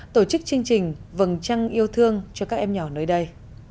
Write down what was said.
tổ chức chương trình vầng trăng yêu thương cho các em nhỏ nơi đây